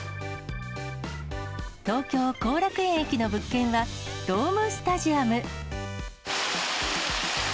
東京後楽園駅の物件は、ドームスタジアム。